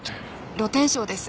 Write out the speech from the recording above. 露天商です。